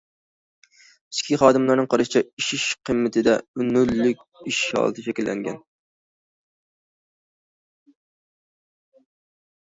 ئىچكى خادىملارنىڭ قارىشىچە، ئېشىش قىممىتىدە نۆللۈك ئېشىش ھالىتى شەكىللەنگەن.